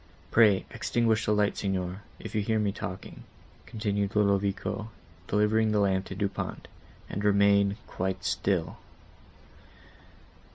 Pray extinguish the light, Signor, if you hear me talking," continued Ludovico, delivering the lamp to Du Pont, "and remain quite still."